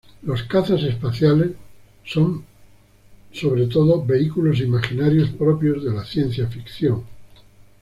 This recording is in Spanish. Los cazas espaciales son sobre todo vehículos imaginarios propios de la ciencia ficción.